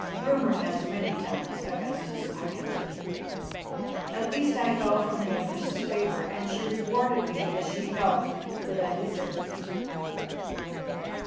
"Rumour has many tongues, Augustus," I answered. "At least I fell from the Empress's favour, and she rewarded me as she held that I deserved."